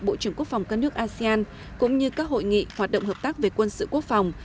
bộ trưởng quốc phòng các nước asean cũng như các hội nghị hoạt động hợp tác về quân sự quốc phòng